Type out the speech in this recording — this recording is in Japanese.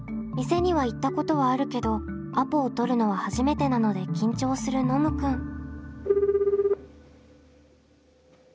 店には行ったことはあるけどアポを取るのは初めてなので緊張するノムくん。